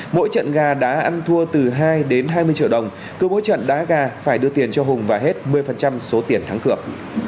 mỗi trận gà đã ăn thua từ hai đến hai mươi triệu đồng cư mỗi trận đá gà phải đưa tiền cho hùng và hết một mươi số tiền thắng cược